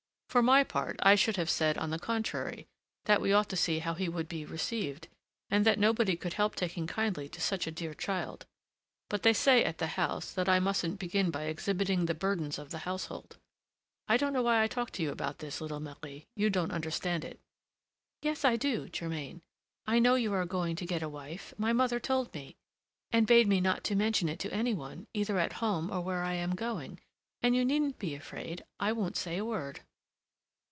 For my part, I should have said, on the contrary, that we ought to see how he would be received, and that nobody could help taking kindly to such a dear child. But they say at the house that I mustn't begin by exhibiting the burdens of the household. I don't know why I talk to you about this, little Marie: you don't understand it." "Yes, I do, Germain; I know you are going to get a wife; my mother told me, and bade me not mention it to any one, either at home or where I am going, and you needn't be afraid: I won't say a word."